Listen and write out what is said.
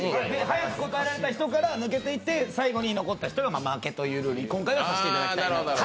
早く答えられた人から抜けていって最後に残った人が負けというルールに今回はさせていただきたいなと。